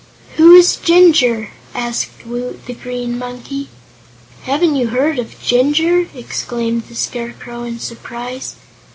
"Who is Jinjur?" asked Woot, the Green Monkey. "Haven't you heard of Jinjur?" exclaimed the Scarecrow, in surprise.